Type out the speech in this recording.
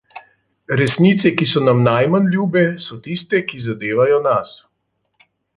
Resnice, ki so nam najmanj ljube, so tiste, ki zadevajo nas.